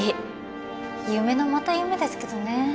夢のまた夢ですけどね